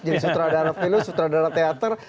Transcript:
jadi sutradara film sutradara teater